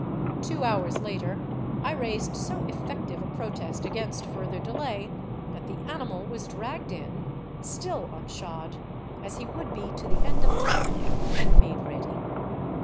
Two hours later I raised so effective a pro test against further delay that the animal was dragged in, still unshod, as he would be to the end of time, and made ready.